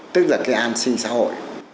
tức là cái an sinh xã hội